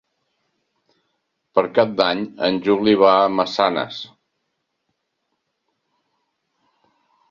Per Cap d'Any en Juli va a Massanes.